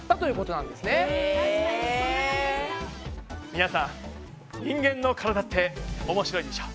みなさん人間の体って面白いでしょ。